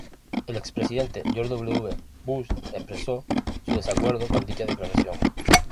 El expresidente George W. Bush expresó su desacuerdo con dicha declaración.